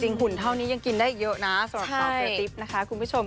หุ่นเท่านี้ยังกินได้เยอะนะสำหรับสาวกระติ๊บนะคะคุณผู้ชม